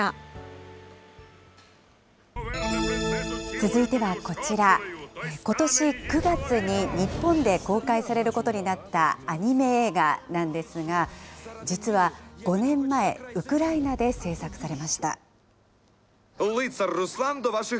続いてはこちら、ことし９月に日本で公開されることになったアニメ映画なんですが、実は５年前、ウクライナで製作されました。